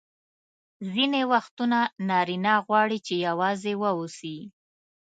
ځیني وختونه نارینه غواړي چي یوازي واوسي.